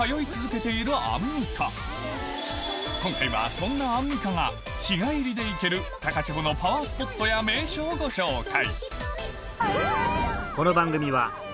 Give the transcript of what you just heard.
今回はそんなアンミカが日帰りで行ける高千穂のパワースポットや名所をご紹介